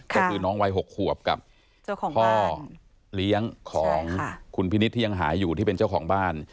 ก็คือน้องวัย๖ขวบกับพ่อเลี้ยงของคุณพินิษฐ์ที่ยังหายอยู่ที่เป็นเจ้าของบ้าน